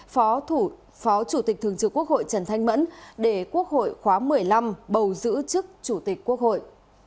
phó chủ tịch thường trực quốc hội trần thanh mẫn để quốc hội khóa một mươi năm bầu giữ chức chủ tịch quốc hội